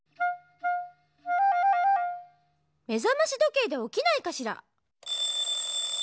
目覚まし時計でおきないかしら？